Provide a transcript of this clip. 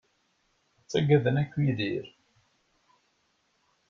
Ttaggaden akk Yidir.